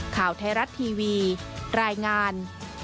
ข่าวไทยรัฐทีวีรายงาน